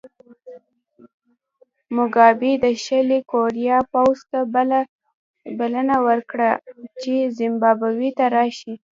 موګابي د شلي کوریا پوځ ته بلنه ورکړه چې زیمبابوې ته راشي.